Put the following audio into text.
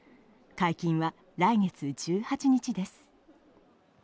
解禁は来月１８日です。